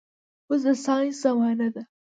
اوس د ساينس زمانه ده